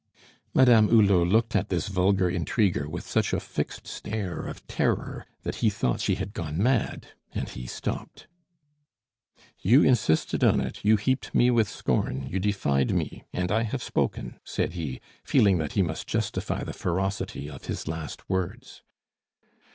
Madame Hulot looked at this vulgar intriguer with such a fixed stare of terror, that he thought she had gone mad, and he stopped. "You insisted on it, you heaped me with scorn, you defied me and I have spoken," said he, feeling that he must justify the ferocity of his last words.